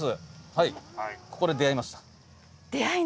はい。